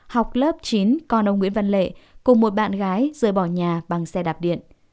học lớp chín con ông nguyễn văn lệ cùng một bạn gái rời bỏ nhà bằng xe đạp điện